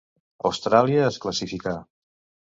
Austràlia es classificà.